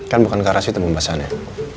kan bukan karas itu pembahasannya